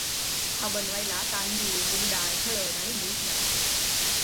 हा बनवायला तांदूळ, मूगडाळ, हळद आणि मीठ लागते.